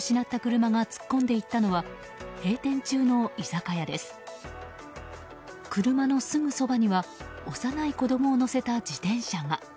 車のすぐそばには幼い子供を乗せた自転車が。